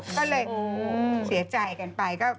ก็เลยเสียใจกันไป